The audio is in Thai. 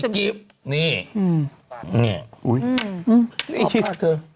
ขอบภาคเธอ